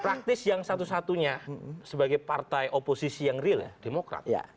praktis yang satu satunya sebagai partai oposisi yang real demokrat